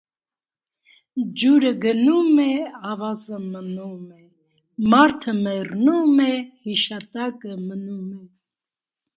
Ջուրը գնում է, ավազը մնում է. Մարդը մէռնում է, հիշատակը մնում է: